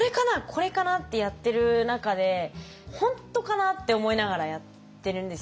これかな？」ってやってる中で「本当かな？」って思いながらやってるんですよ。